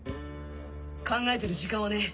考えてる時間はねえ！